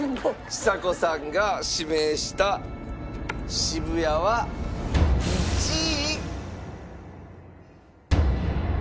ちさ子さんが指名した渋谷は１位。